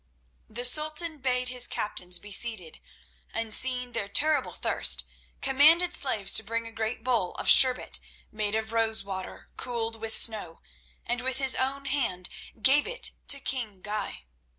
The Sultan bade his captains be seated, and seeing their terrible thirst, commanded slaves to bring a great bowl of sherbet made of rose water cooled with snow, and with his own hand gave it to king Guy.